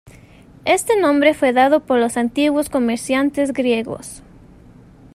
Este nombre fue dado por los antiguos comerciantes griegos.